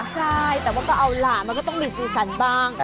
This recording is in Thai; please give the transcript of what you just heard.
ใช่แต่ว่าก็เอาล่ะมันก็ต้องมีสีสันบ้าง